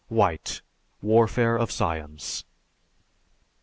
(_White: "Warfare of Science."